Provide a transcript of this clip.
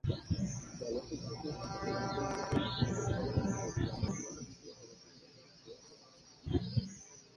চলচ্চিত্রটির চিত্রনাট্য লিখেছেন ও পরিচালনা করেছেন নন্দিত চলচ্চিত্রকার শেখ নিয়ামত আলী।